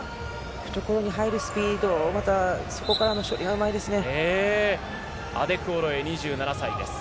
懐に入るスピード、そこからの処理がうまいですね。